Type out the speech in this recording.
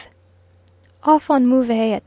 Off on Move at 9.